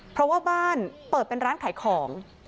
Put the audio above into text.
เพราะว่าบ้านเปิดเป็นร้านขายของ